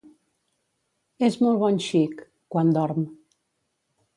És molt bon xic... quan dorm.